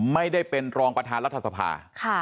ไม่ได้เป็นรองประธานรัฐสภา